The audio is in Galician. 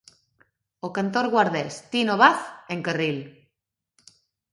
O cantor guardés Tino Baz en Carril.